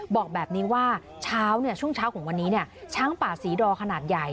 บอกแบบนี้ว่าช้างป่าศรีดอขนาดใหญ่